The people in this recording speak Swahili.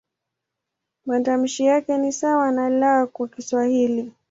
Matamshi yake ni sawa na "L" kwa Kiswahili.